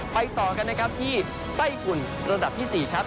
ต่อกันนะครับที่ไต้ฝุ่นระดับที่๔ครับ